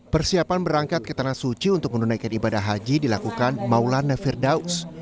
persiapan berangkat ke tanah suci untuk menunaikan ibadah haji dilakukan maulana firdaus